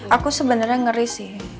aku sebenarnya ngeri sih